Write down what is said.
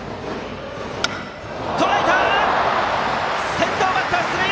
先頭バッター出塁！